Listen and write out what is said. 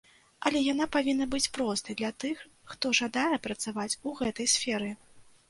Але яна павінна быць простай для тых, хто жадае працаваць у гэтай сферы.